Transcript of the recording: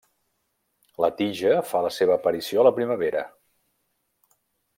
La tija fa la seva aparició a la primavera.